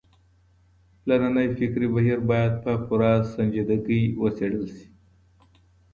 پلرنی فکري بهير بايد په پوره سنجيدګۍ وڅېړل سي.